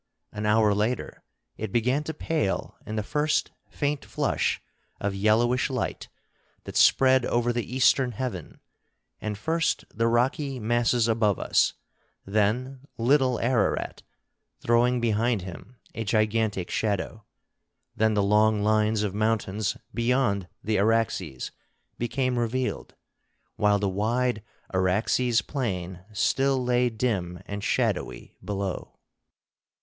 An hour later it began to pale in the first faint flush of yellowish light that spread over the eastern heaven; and first the rocky masses above us, then Little Ararat, throwing behind him a gigantic shadow, then the long lines of mountains beyond the Araxes, became revealed, while the wide Araxes plain still lay dim and shadowy below.